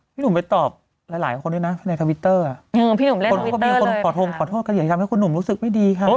พี่หนุ่มไปตอบหลายคนด้วยนะ